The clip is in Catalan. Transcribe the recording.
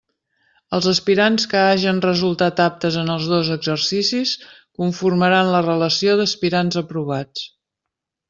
Els aspirants que hagen resultat aptes en els dos exercicis conformaran la relació d'aspirants aprovats.